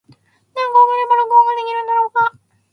何個送れば録音ができるんだろうか。